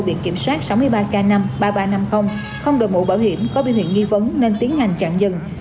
bị kiểm soát sáu mươi ba k năm ba nghìn ba trăm năm mươi không đồ mũ bảo hiểm có biên huyện nghi vấn nên tiến hành chặn dừng